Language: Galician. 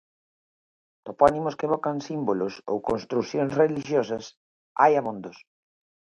Topónimos que evocan símbolos ou construcións relixiosas hai abondos.